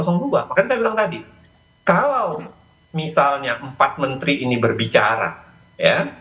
makanya saya bilang tadi kalau misalnya empat menteri ini berbicara ya